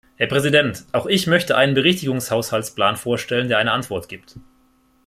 Herr Präsident! Auch ich möchte einen Berichtigungshaushaltsplan vorstellen, der eine Antwort gibt.